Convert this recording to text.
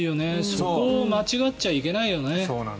そこを間違っちゃいけないよね。